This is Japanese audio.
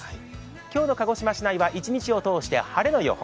今日の鹿児島市内は一日を通して、晴れの予報。